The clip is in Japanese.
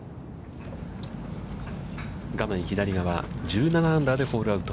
画面左側、１７アンダーでホールアウト。